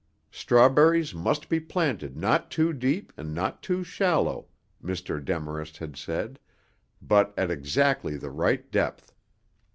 Strawberries must be planted not too deep and not too shallow, Mr. Demarest had said, but at exactly the right depth.